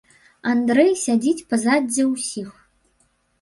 Андрэй сядзіць пазадзе ўсіх.